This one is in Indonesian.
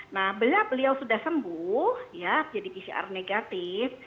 nah beliau sudah sembuh ya jadi pcr negatif